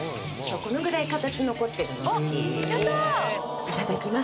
このぐらい形残ってるの好きいただきます